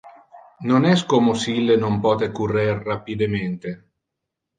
Non es como si ille non pote currer rapidemente.